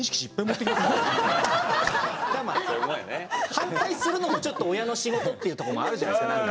ただまあ反対するのもちょっと親の仕事っていうとこもあるじゃないですか何か。